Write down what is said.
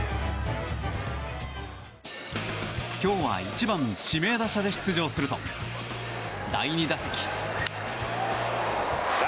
今日は１番指名打者で出場すると第２打席。